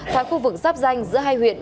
và khu vực sắp danh giữa hai huyện